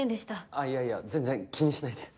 あいやいや全然気にしないで。